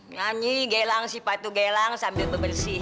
nganyi gelang si patu gelang sambil bebersih